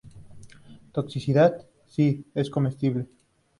Toxicidad: Si es comestible